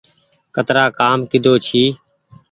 ڪترآ ڪآم ڪيۮو ڇي۔